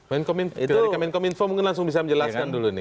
pilih dari kemenkom info mungkin langsung bisa menjelaskan dulu nih